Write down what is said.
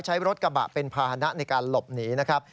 ใช้รถกระบะเป็นภาษณะในการหลบหนีนะครับ